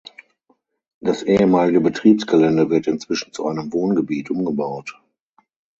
Das ehemalige Betriebsgelände wird inzwischen zu einem Wohngebiet umgebaut.